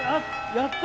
やった！